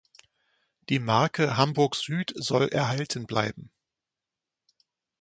Die Marke Hamburg Süd soll erhalten bleiben.